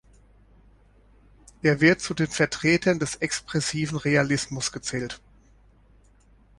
Er wird zu den Vertretern des Expressiven Realismus gezählt.